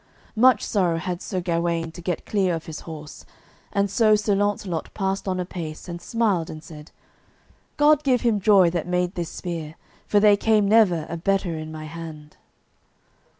Much sorrow had Sir Gawaine to get clear of his horse, and so Sir Launcelot passed on a pace, and smiled, and said, "God give him joy that made this spear, for there came never a better in my hand."